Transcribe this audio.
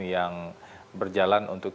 yang berjalan untuk